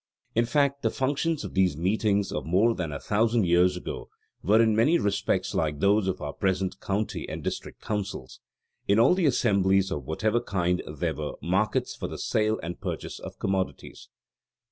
In fact the functions of these meetings of more than a thousand years ago were in many respects like those of our present county and district councils. In all the assemblies of whatever kind there were markets for the sale and purchase of commodities.